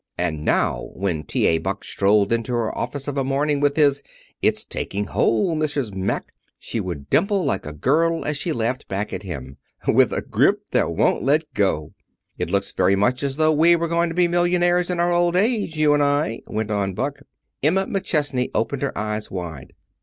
And now, when T.A. Buck strolled into her office of a morning, with his, "It's taking hold, Mrs. Mack," she would dimple like a girl as she laughed back at him "With a grip that won't let go." "It looks very much as though we were going to be millionaires in our old age, you and I?" went on Buck. Emma McChesney opened her eyes wide.